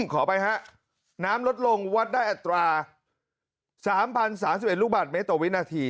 ขอไปฮะน้ำลดลงวัดได้อัตรา๓๐๓๑ลูกบาทเมตรต่อวินาที